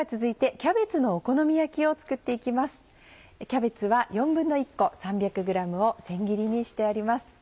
キャベツは１／４個３００ｇを千切りにしてあります。